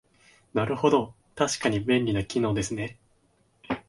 なるほど、確かに便利な機能ですね